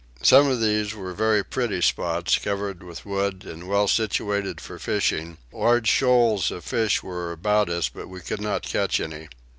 Some of these were very pretty spots, covered with wood and well situated for fishing: large shoals of fish were about us but we could not catch any.